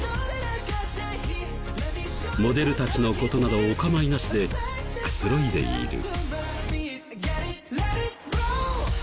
モデルたちの事などお構いなしでくつろいでいる。